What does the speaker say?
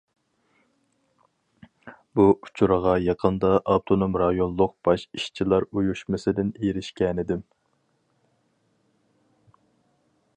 بۇ ئۇچۇرغا يېقىندا ئاپتونوم رايونلۇق باش ئىشچىلار ئۇيۇشمىسىدىن ئېرىشكەنىدىم.